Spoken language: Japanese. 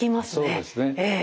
そうですね。